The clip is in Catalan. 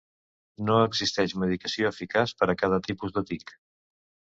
No existeix medicació eficaç per a cada tipus de tic.